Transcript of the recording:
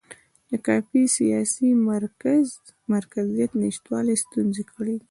د کافي سیاسي مرکزیت نشتوالي ستونزې کړېږي.